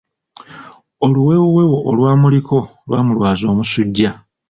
Oluwewowewo olwamuliko lwamulwaaza omusujja.